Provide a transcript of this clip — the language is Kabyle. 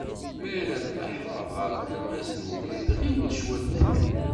Mi ara tleḥqeḍ ɣer tlemmas n ubrid, ɣiwel cwiṭ kan.